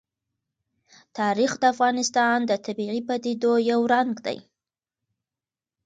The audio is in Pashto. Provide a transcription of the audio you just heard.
تاریخ د افغانستان د طبیعي پدیدو یو رنګ دی.